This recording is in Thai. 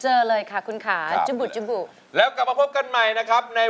เพลงที่เจ็ดเพลงที่แปดแล้วมันจะบีบหัวใจมากกว่านี้